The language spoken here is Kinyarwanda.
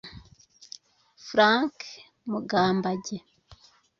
Frank Mugambage